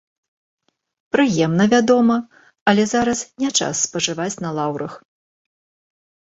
Прыемна, вядома, але зараз не час спачываць на лаўрах.